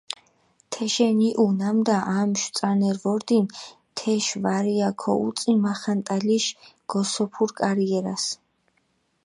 თეშენ იჸუ, ნამდა ამშვ წანერი ვორდინ თეშ ვარია ქოვუწი მახანტალიშ გოსოფურ კარიერას.